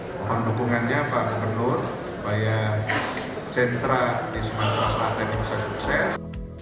mohon dukungannya pak gubernur supaya sentra di sumatera selatan ini bisa sukses